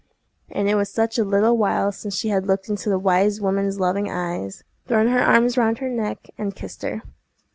And it was such a little while since she had looked into the wise woman's loving eyes, thrown her arms round her neck, and kissed her!